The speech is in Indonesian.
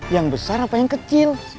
yang besar apa yang kecil